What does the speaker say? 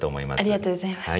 ありがとうございます。